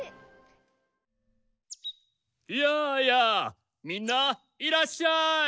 やあやあみんないらっしゃい！